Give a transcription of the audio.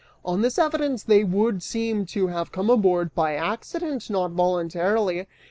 On this evidence, they would seem to have come aboard by accident, not voluntarily.